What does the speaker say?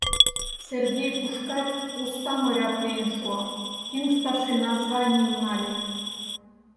Сергей Пушкарь уста моряк лийын шуо, тӱҥ старшина званийым нале.